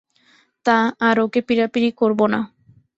তা, আর ওকে পীড়াপীড়ি করব না।